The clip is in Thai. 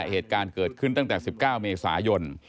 เหตุการณ์เกิดขึ้นตั้งแต่๑๙เมษายน